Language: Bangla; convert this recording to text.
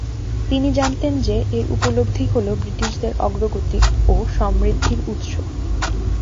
তিনি জানতেন যে এর উপলব্ধি হল ব্রিটিশদের অগ্রগতি ও সমৃদ্ধির উৎস।